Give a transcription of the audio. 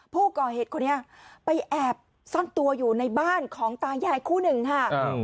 ผู้ก่อเหตุคนนี้ไปแอบซ่อนตัวอยู่ในบ้านของตายายคู่หนึ่งค่ะ